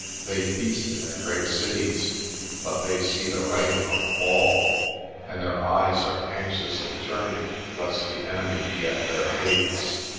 They feast in their great cities, but they see the writing on the wall, and their eyes are anxiously turning lest the enemy be at their gates."